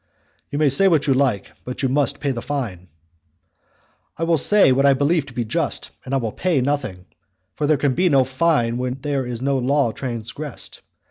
"You may say what you like, but you must pay the fine." "I will say what I believe to be just, and I will pay nothing; for there can be no fine where there is no law transgressed.